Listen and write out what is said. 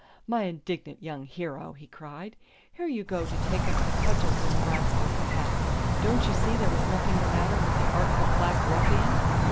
My indignant young hero!" he cried. "Here are you going to take up the cudgels in the rascal's behalf. Don't you see there was nothing the matter with the artful black ruffian."